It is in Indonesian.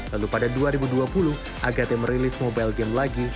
lalu pada dua ribu dua puluh agate merilis mobile game lagi